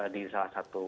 di salah satu